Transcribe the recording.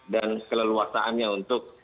dan keleluasaannya untuk